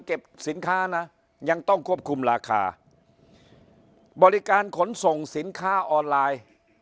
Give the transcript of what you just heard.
เก็บสินค้านะยังต้องควบคุมราคาบริการขนส่งสินค้าออนไลน์